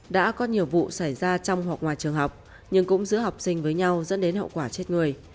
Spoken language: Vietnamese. đã có nhiều vụ xảy ra trong hoặc ngoài trường học nhưng cũng giữa học sinh với nhau dẫn đến hậu quả chết người